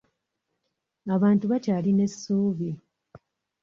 Abantu bakyalina essuubi.